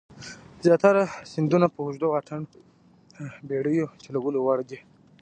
زیاتره سیندونه په اوږده واټن د بېړیو چلولو وړ دي.